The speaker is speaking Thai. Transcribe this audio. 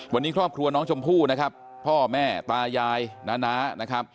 วันนี้ครอบครัวน้องชมพู่นะครับพ่อแม่ตายายน้าน้านะครับ